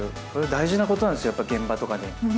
これ、大事なことなんですよ、やっぱり現場とかに。